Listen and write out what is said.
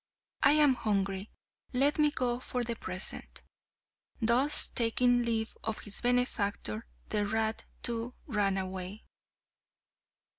I am hungry; let me go for the present." Thus taking leave of his benefactor, the rat, too, ran away.